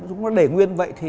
chúng ta để nguyên vậy thì